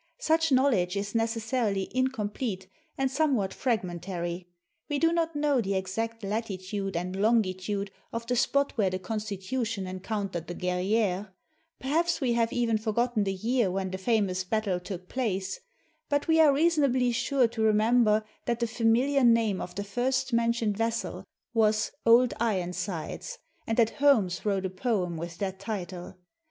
Such knowledge is necessarily incomplete xxii INTRODUCTION and somewhat fragmentary. We do not know the exact latitude and longitude of the spot where the Constitu tion encountered the Guerriere, perhaps we have even forgotten the year when the famous battle took place; but we are reasonably sure to remember that the familiar name of the first mentioned vessel was "Old Ironsides," and that Holmes wrote a poem with that title.